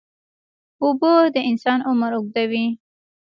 اوبه د انسان عمر اوږدوي.